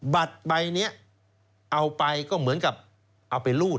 บัตรใบนี้เอาไปก็เหมือนกับเอาไปรูด